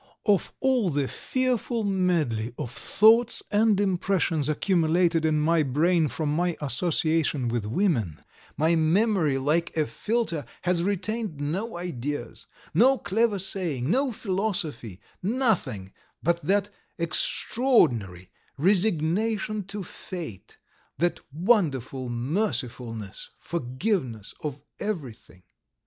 Of all the fearful medley of thoughts and impressions accumulated in my brain from my association with women my memory, like a filter, has retained no ideas, no clever saying, no philosophy, nothing but that extraordinary, resignation to fate, that wonderful mercifulness, forgiveness of everything."